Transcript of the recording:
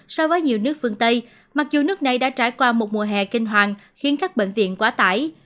so với nhiều nước phương tây mặc dù nước này đã trải qua một mùa hè kinh hoàng khiến các bệnh viện quá tải